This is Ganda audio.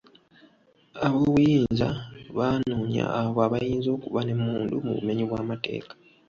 Ab'obuyinza baanoonya abo abayinza okuba n'emmundu mu bumenyi bw'amateeka.